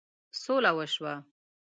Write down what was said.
سوله وشوه.